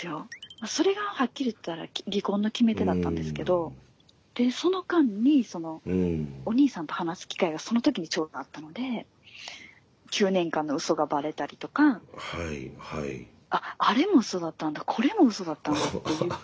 まあそれがはっきり言ったら離婚の決め手だったんですけどでその間にそのお兄さんと話す機会がその時にちょうどあったので９年間のウソがバレたりとかあっあれもウソだったんだこれもウソだったんだっていうことが。